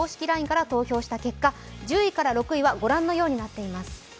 ＬＩＮＥから投票した結果、１０位から６位は御覧のようになっています。